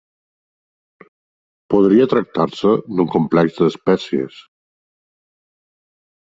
Podria tractar-se d'un complex d'espècies.